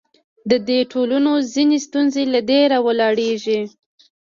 د دې ټولنو ځینې ستونزې له دې راولاړېږي.